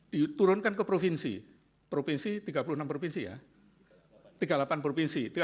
diturunkan ke provinsi provinsi tiga puluh enam provinsi ya tiga puluh delapan provinsi